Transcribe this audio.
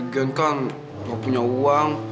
gua punya uang